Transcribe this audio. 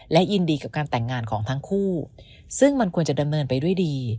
และยินดีกับการแต่งงานของทั้งคู่ซึ่งมันควรจะดำเนินไปด้วยดี